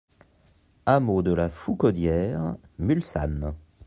Hameau de la Foucaudière, Mulsanne